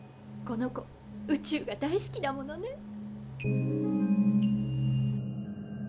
この子宇宙が大好きだものね。